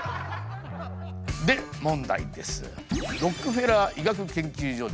で問題です。